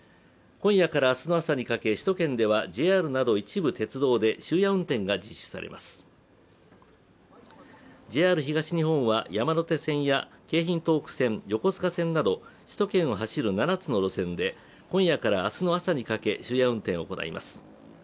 今夜から明日の朝にかけ、首都圏ではＪＲなど一部鉄道で終夜運転が実施されます、ＪＲ東日本は、山手線や京浜東北線、横須賀線など首都圏を走る７つの路線で今夜から明日の朝にかけ終夜運転を行います。